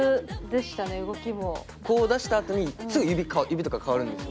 こう出したあとにすぐ指指とか変わるんですよ。